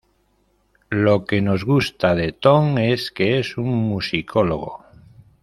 Lo que nos gusta de Tom es que es un musicólogo.